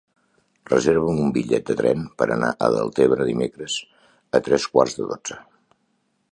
Reserva'm un bitllet de tren per anar a Deltebre dimecres a tres quarts de dotze.